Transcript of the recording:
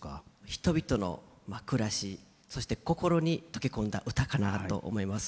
人々の暮らしそして心に溶け込んだ唄かなと思います。